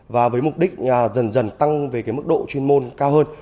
và với mục đích dần dần tăng về cái mức độ chuyên môn cao hơn